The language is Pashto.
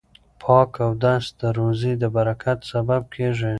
پاک اودس د روزۍ د برکت سبب کیږي.